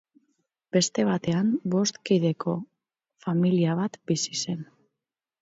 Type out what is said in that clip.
Beste batean bost kideko familia bat bizi zen.